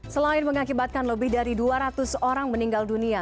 selain mengakibatkan lebih dari dua ratus orang meninggal dunia